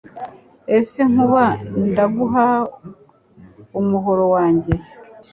ese Nkuba ndaguha umuhoro wahjye